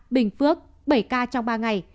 bình phước bảy ca trong ba ngày